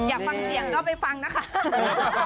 อยากฟังเสียงก็ไปฟังนะคะ